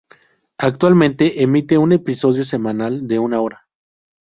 Actualmente emite un episodio semanal de una hora.